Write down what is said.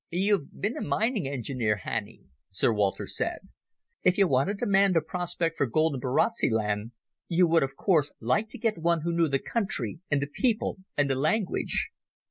"You've been a mining engineer, Hannay," Sir Walter said. "If you wanted a man to prospect for gold in Barotseland you would of course like to get one who knew the country and the people and the language.